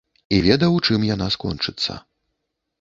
І ведаў, чым яна скончыцца.